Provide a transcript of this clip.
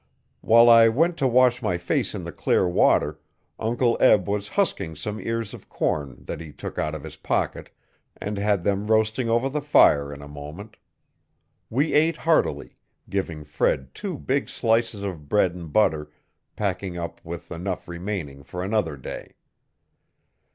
While I went to wash my face in the clear water Uncle Eb was husking some ears of corn that he took out of his pocket, and had them roasting over the fire in a moment. We ate heartily, giving Fred two big slices of bread and butter, packing up with enough remaining for another day.